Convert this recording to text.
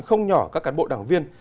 không nhỏ các cán bộ đảng viên